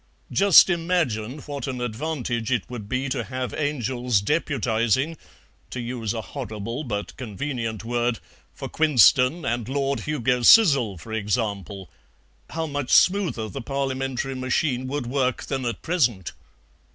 Just imagine what an advantage it would be to have angels deputizing, to use a horrible but convenient word, for Quinston and Lord Hugo Sizzle, for example. How much smoother the Parliamentary machine would work than at present!"